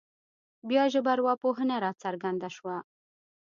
بیا ژبارواپوهنه راڅرګنده شوه